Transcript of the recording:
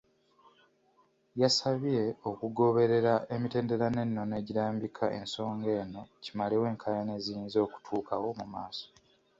Yabasabye okugoberera emitendera n’ennono egirambika ensonga eno kimalewo enkaayana eziyinza okutuukawo mu maaso.